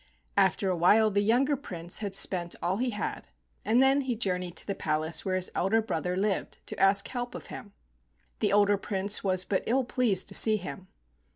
After a while the younger Prince had spent all he had, and then he journeyed to the palace where his elder brother lived to ask help of him. The older Prince was but ill pleased to see him.